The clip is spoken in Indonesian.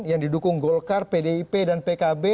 yang didukung golkar pdip dan pkb